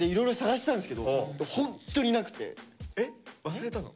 忘れたの？